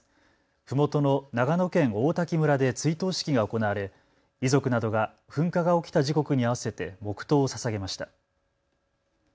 ふもとの長野県王滝村で追悼式が行われ遺族などが噴火が起きた時刻に合わせて黙とうをささげました。